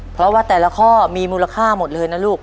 เพราะว่าแต่ละข้อมีมูลค่าหมดเลยนะลูก